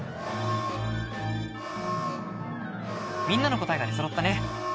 みんなの答えが出そろったね。